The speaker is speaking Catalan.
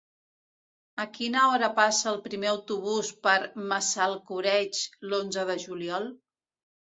A quina hora passa el primer autobús per Massalcoreig l'onze de juliol?